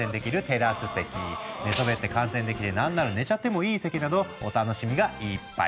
寝そべって観戦できてなんなら寝ちゃってもいい席などお楽しみがいっぱい。